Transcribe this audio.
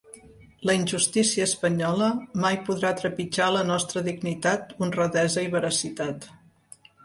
La injustícia espanyola mai podrà trepitjar la nostra dignitat, honradesa i veracitat.